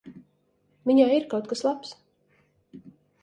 Viņā ir kaut kas labs.